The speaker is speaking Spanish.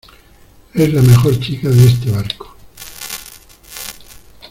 es la mejor chica de este barco